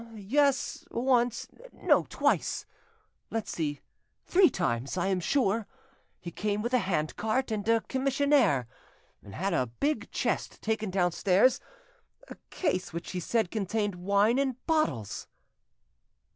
"Yes, once—no, twice. Let's see—three times, I am sure. He came with a hand cart and a commissionaire, and had a big chest taken downstairs—a case which he said contained wine in bottles....